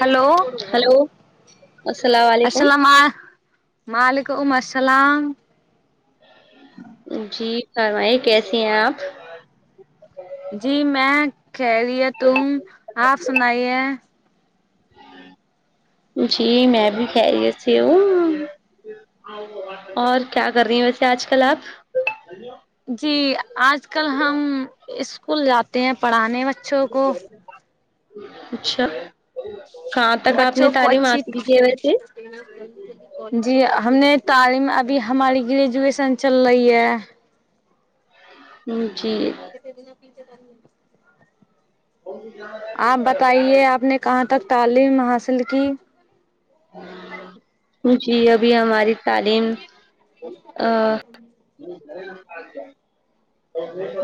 hello hello السلام علیکم اسلاما وعلیکم السلام جی فرمائیے کیسی ہیں آپ جی میں خیریت ہوں آپ سنائیے جی میں بھی خیریت سے ہوں اور کیا کر رہی ہیں ویسے آج کل آپ جی آج کل ہم اسکول جاتے ہیں پڑھانے بچوں کو اچھا کہاں تک آپ نے بچوں کو تعلیم اچھی حاصل کی ہے ویسے جی ہم نے تعلیم ابھی ہماری گریجویشن چل رہی ہے جی [inaudible] آپ بتائیے آپ نے کہاں تک تعلیم حاصل کی جی ابھی ہماری تعلیم ا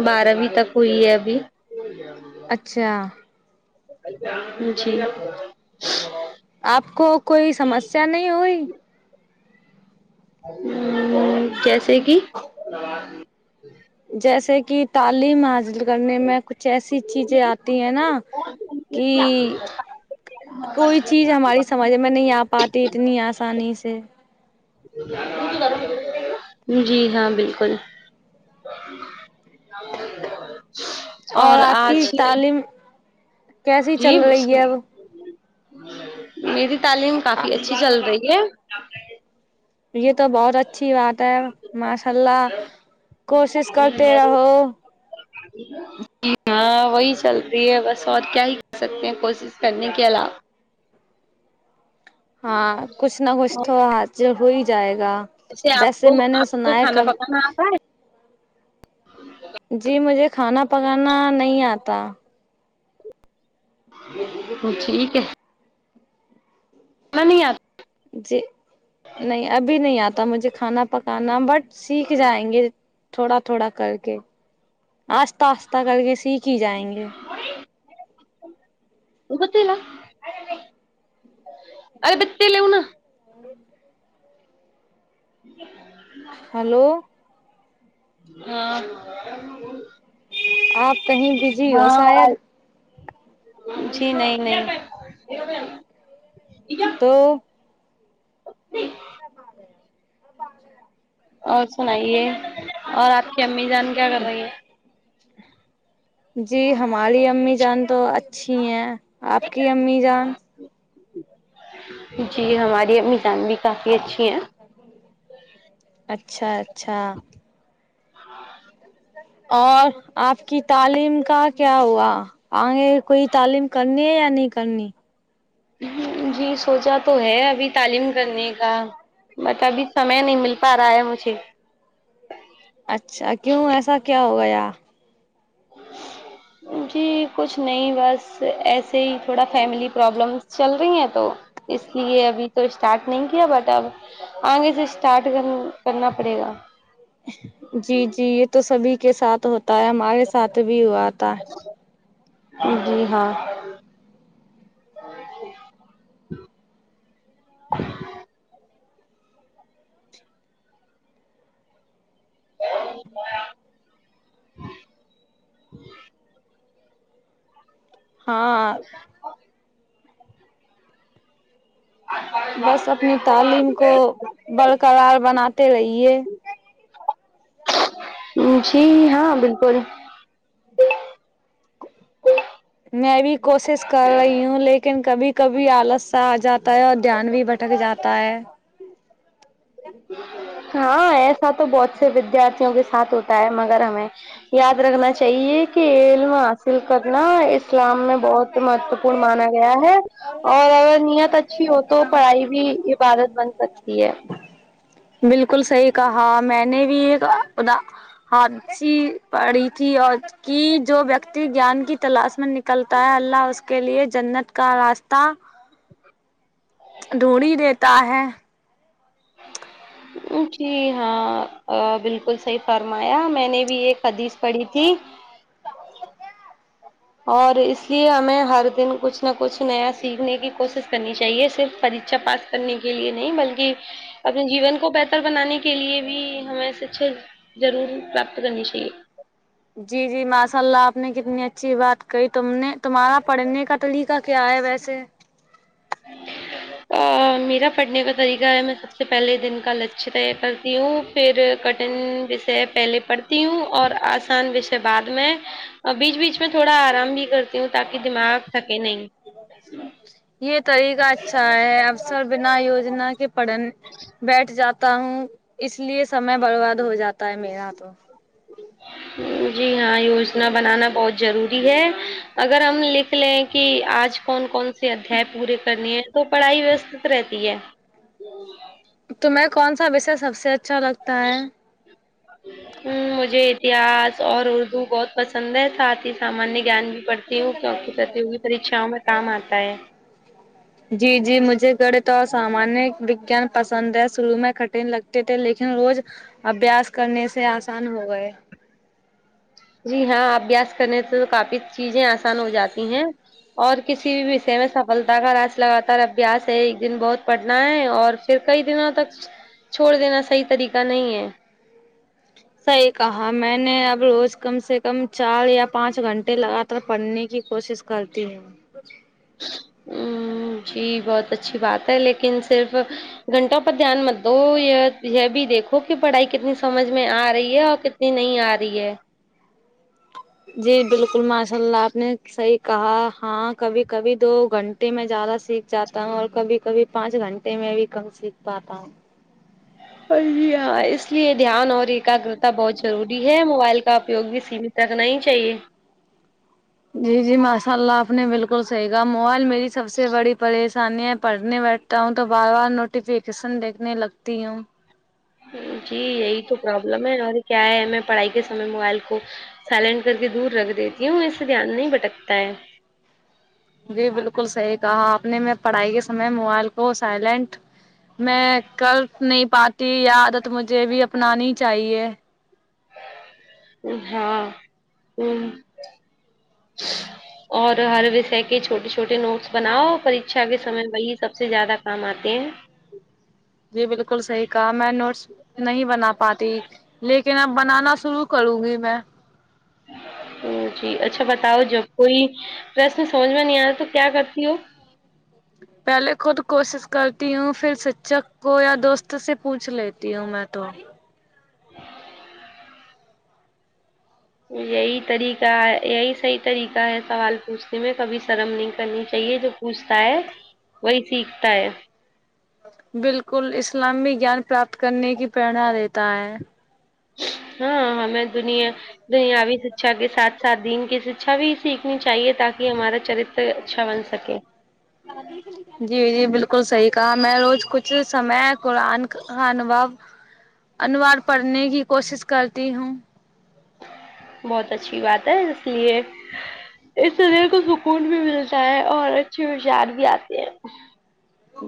بارہویں تک ہوئی ہے ابھی اچھا جی آپ کو کوئی سمسیا نہیں ہوئی ہ جیسے کہ جیسے کہ تعلیم ہا ل کرنے میں کچھ ایسی چیزیں آتی ہیں نا کہ چ ہماری سمجھ میں نہیں آ پاتی اتنی آسانی سے جی ہاں بالکل اور آپ کی تعلیم کیسی جی چل رہی ہے اب میری تعلیم اب کافی اچھی چل رہی ہے یہ تو بہت اچھی بات ہے ماشاء اللہ کوشش کرتے رہو ج ہاں وہی چلتی ہے بس اور کیا ہی کر سکتے ہیں کوشش کرنے کے علاوہ ہاں کچھ نہ کچھ تو اج جب ہو ہی جائے گا جسے آپ ویسے کو میں نے آپ کو سنا ہے کھانا کب پکانا آتا ہے جی مجھے کھانا پکانا نہیں آتا وہ ٹھیک ہے [unintelligible] جی نہیں ابھی نہیں آتا مجھے کھانا پکانا بٹ سیکھ جائیں گے تھوڑا تھوڑا کر کے آہستہ آہستہ کر کے سیکھ ہی جائیں گے [unintelligible] ارے بتے لؤ نا [unintelligible] ہیلو ہاں آپ کہیں بزی ہو ہاں شاید جی نہیں نہیں تو [unintelligible] اور سنائیے اور آپ کی امی جان کیا کر رہی ہے جی ہماری امی جان تو اچھی ہیں آپ کی امی جان جی ہماری اممی جان بھی کافی اچھی ہیں اچھا اچھا اور آپ کی تعلیم کا کیا ہوا آگے کوئی تعلیم کرنی ہے یا نہیں کرنی جی سوچا تو ہے ابھی تعلیم کرنے کا بٹ ابھی سمے نہیں مل پا رہا ہے مجھے اچھا کیوں ایسا کیا ہو گیا [unintelligible] جی کچھ نہیں بس ایسے ہی تھوڑا فیملی پرابلمس چل رہی ہیں تو اس لیے ابھی تو اسٹارٹ نہیں کیا بٹ اب آگے سے اسٹارٹ کر کرنا پڑے گا جی جی یہ تو سبھی کے ساتھ ہوتا ہے ہمارے ساتھ بھی ہوا تھا جی ہاں ا [inaudible] ہاں [inaudible] بس اپنی تعلیم کو برقرار بناتے رہیے جی ہاں بالکل میں بھی کوشش کر رہی ہوں لیکن کبھی کبھی آلس سا آ جاتا ہے اور دھیان بھی بھٹک جاتا تا ہے ہاں ایسا تو بہت سے ودیارتھیوں کے ساتھ ہوتا تا ہے مگر ہمیں یاد رکھنا چاہیے کہ علم حاصل کرنا ای اسلام میں بہت مہتوپورن مانا گیا ہے اور اگر نیت اچھی ہو تو پڑھائی بھی عبادت بن سکتی ہے بالکل صحیح کہا میں نے بھی یہ کہا خدا حدیث پڑی تھی اور کہ جو ویکتی گیان کی تلاش میں ن کلتا ہے اللہ اس کے لیے جنت کا راستہ ڈھونڈ ہی دیتا ہے ا [inaudible] جی ہاں بالکل ا صحیح فرمایا میں نے بھی ایک حدیث پڑھی تھی اور اس لیے ہمیں ہر دن کچھ نہ کچھ نیا سیکھنے کی کوشش کرنی چاہیے صرف پریکشا پاس کرنے کے لیے نہیں بلکہ اپنے جیون کو بہتر بنانے کے لیے بھی ہمیں سچے ضرور پراپت کرنی چاہیے جی جی ماشاء اللہ آپ نے کتنی اچھی بات کہی تم نے تمہارا پڑھنے کا طریقہ کیا ہے ویسے [inaudible] آ میرا پڑھنے کا طریقہ ہے میں سب سے پہلے دن کا لکش طے کرتی ہوں پھر کٹھن شے پہلے پڑھتی ہوں اور آسان وش ے بعد میں بیچ بیچ میں تھوڑا آرام بھی کرتی ہوں تاکہ دماغ تھکے نہیں یہ طریقہ اچھا ہے اکثر بنا یوجنا کے پڑن بیٹھ جاتا ہوں اس لیے سمے برباد ہو جاتا ہے میرا تو جی ہاں یوجنا بنانا بہت ضروری ہے اگر ہم لکھ لیں کہ آج کون کون سے ادھئے پورے کرنی ہے تو پڑھائی ویوسشت رہتی ہے تمہیں کون سا وشے سب سے اچھا لگتا ہے ہ مجھے اتہاس اور اردو بہت پسند ہے ساتھ ہی سامانیہ گیان بھی پڑھتی ہوں کیوںکہ پرتیوگی پرریکشاؤں میں کام آتا ہے [inaudible] جی جی مجھے گڑت اور سامانیہ وگیان پسند ہے شروع میں کٹھن لگتے تھے لیکن روز ابھیاس کرنے سے آسان ہو گئے جی ہاں ابھیاس کرنے سے تو کافی چیزیں آسان ہو جاتی ہیں اور کسی بھی وشے میں سفلتا کا راز لگاتار ابھیاس ہے ایک دن بہت پڑھنا ہے اور پھر کئی دنوں تک چھوڑ دینا صحیح طریقہ نہیں ہے صحیح کہا میں نے اب روز کم سے کم چار یا پانچ گھنٹے لگا تار پڑھنے کی کوشش کرتی ہوں ہوں جی بہت اچھی بات ہے لیکن صرف گھنٹوں پر دھیان مت دو یہ یہ بھی دیکھو کہ پڑھائی کتنی سمجھ میں آ رہی ہے اور ک تنی نہیں آ رہی ہے جی بالکل ماشاء اللہ آپ نے صحیح کہا ہاں کبھی کبھی دو گھنٹ ے میں زیادہ سیکھ جاتا ہوں اور کبھی کبھی پانچ گھنٹے میں بھی کم سیکھ پاتا ہوں ہاں اس لیے دھیان اور ایکاگرتا بہت ضروری ہے موبائل کا اپیوگ بھی سمیت رکھنا ہی چاہیے جی جی ماشاء اللہ آپ نے بالکل صحیح کہا موبائل میری سب سے بڑی پریش انی پڑھنے بیٹھتا ہوں تو بار بار نوٹیفکیشن دیکھنے لگتی ہوں جی یہی تو پرابلم ہے اور کیا ہے میں پڑھائی کے سمے موبائل کو سائلنٹ کر کے دور رکھ دیتی ہوں اس سے دھیان نہیں بھٹکتا ہے جی بالکل صحیح کہا آپ نے میں پڑھائی کے سمے موبائل کو سائلینٹ میں کر نہیں پاتی یہ عادت مجھے بھی اپنانی چاہیے ہاں ہوں اور ہر وشئے کے چھوٹے چھوٹے نوٹس بناؤ پرکشا کے سمے وہی سب سے زیادہ کام آتے ہیں جی بالکل صحیح کہا میں نوٹس نہیں بنا پاتی لیکن اب بنانا شروع کروں گی میں جی اچھا بتاؤ جب کوئی پرشن سمجھ میں نہیں آیا تو کیا کرتی ہو پہلے خود کوشش کرتی ہوں پھر سیکشک کو یا دوست سے پوچھ لیتی ہوں میں تو یہی طریقہ ہے یہی صحیح طریقہ ہے سوال پوچھتے میں کبھی شرم نہیں کرنی چاہیے جو پوچھتا ہے وہی سیکھتا ہے بالکل اسلام میں گیان پراپت کرنے کی پریرنا دیتا ہے ہاں ہمیں دنیا دنیاوی سیکشا کے ساتھ ساتھ دین کی سیکشا بھی سیکھنی چاہیے تاکہ ہمارا چرتر اچھا بن سکے آ ج [unintelligible] جی جی بالکل صحیح کہا میں روز کچھ سمے قرآن خوان وا انوار پڑھنے کی کوشش کرتی ہوں بہت اچھی بات ہے اس لیے اس سے دل کو سکون بھی ملتا ہے اور اچھے ہوشار بھی آتے ہیں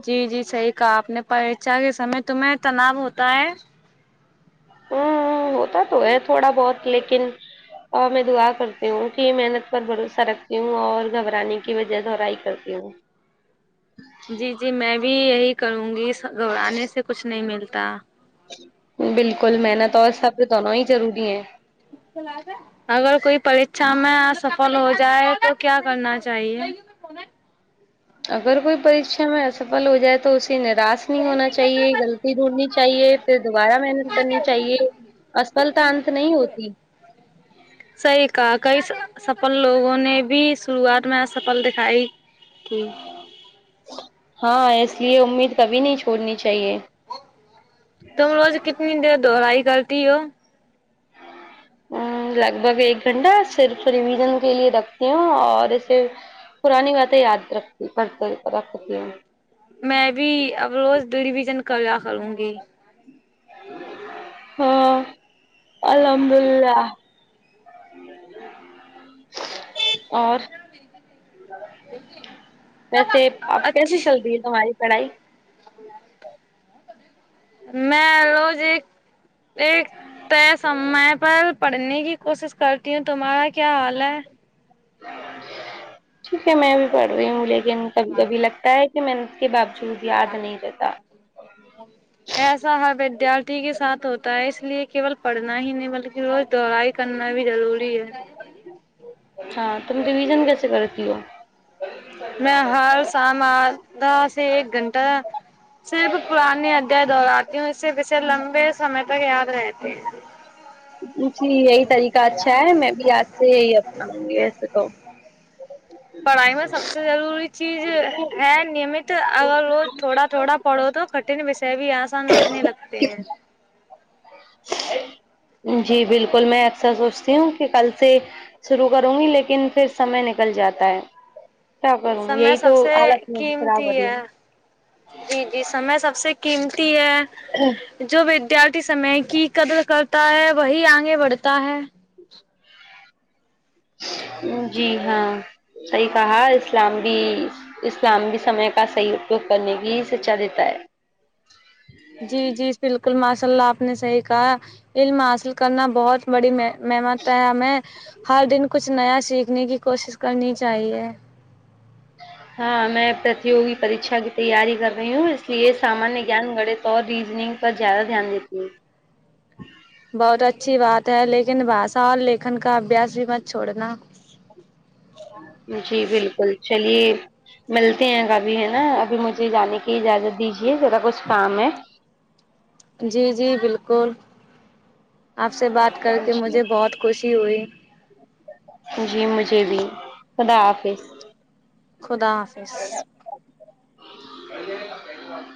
جی جی صحیح کہا آپ نے پریچا کے سمے تمہیں تناؤ ہوتا ہے ہوں ہوں ہوتا تو ہے تھوڑا بہت لیکن اور میں دعا کرتی ہوں کہ محنت پر بھروسہ رکھتی ہوں اور گھبرانے کی وجہ دہرائی کرتی ہوں جی جی میں بھی یہی کرونگی سا گھبرانے سے کچھ نہیں ملتا بالکل محنت اور صبر دونوں ہی ضروری ہیں اگر کوئی پرچھا میں ا سفل ہو جائے تو کیا کرنا چاہیے اگر کوئی پریچھا میں اسفل ہو جائے تو اسے نراش نہیں ہونا چاہیے غلطی ڈھونڈنی چاہیے پھر دوبارہ محنت کرنی چاہیے اسپلتا انت نہیں ہوتی صحیح کہا کئی س سفل لوگوں نے بھی شروعات میں ا سفل دکھائی ٹھیک ہاں اس لیے امید کبھی نہیں چھوڑنی چاہیے تم روز کتنی دیر دوہرائی کرتی ہو ہوں لگ بھگ ایک گھنٹہ صرف ریویژن کے لیے رکھتی ہوں اور اسے پرانی باتیں یاد رکتے رکھتی رکھتی ہوں میں بھی اب روز ریویزن کرلیا کروں گی ہاں الحمد اللہ اور ویسے اب کیسے اچھا چلتی ہے تمہاری پڑھائی میں روز ایک ایک طے سمے پر پڑھنے کی کوشش کرتی ہوں تمہارا کیا حال ہے ٹھیک ہے میں بھی پڑھ رہی ہوں لیکن کبھی کبھی لگتا ہے کہ میں اس کے باوجود یاد نہیں رہتا [inaudible] ایسا ہر ودیارتھی کے ساتھ ہوتا ہے اس لیے کیول پڑھنا ہی نہیں بلکہ روز دوڑائی کرنا بھی ضروری ہے ہاں تم رویژن کیسے کرتی ہو میں ہر شام آدھا سے ایک گھنٹہ صرف پرانانی ادھیائے دہراتی ہوں اس سے پیچھے لمبے سمے تک یاد رہتے ہیں جی یہی طریقہ اچھا ہے میں بھی آج سے یہی اپناؤں گی ویسے تو پڑھائی میں سب سے ضروری چیز ہے نیمت اگر روز تھوڑا تھوڑا پڑھو تو کھٹے نی ویسے بھی آسان لگنے لگتے ہیں جی بالکل میں اکثر سوچتی ہوں کہ کل سے شروع کروں گی لیکن پھر سمے نکل جاتا ہے کیا کروں سمے یہی تو سب سے حالت میری خراب قیمتی ہو رہی ہے جی جی سمے سب سے قیمتی ہے جو ودیارتھی سمے کی قدر کرتا ہے وہی آگے بڑھتا ہے جی ہاں صحیح کہا اسلام بھی اسلام بھی سمے کا صحیح اپیوگ کرنے کی ہی سچا دیتا ہے جی جی بالکل ماشاء اللہ آپ نے صحیح کہا علم حاصل کرنا بہت بڑی ممت ہے ہمیں ہر دن کچھ نیا سیکھنے کی کوشش کرنی چاہیے ہاں میں پرتوگی پریکچھا کی تیاری کر رہی ہوں اس لیے سامانیہ گیان گڑت تو اور ریزننگ پر زیادہ دھیان دیتی ہوں بہت اچھی بات ہے لیکن بھاشا اور لکھن کا ابھیاس بھی مت چھوڑنا جی بالکل چلیے ملتے ہیں کبھی ہے نا ابھی مجھے جانے کی اجازت دیجیے ذرا کچھ کام ہے جی جی بالکل آپ سے بات کر کے جی مجھے بہت خوشی ہوئی جی مجھے بھی خدا حافظ خدا حافظ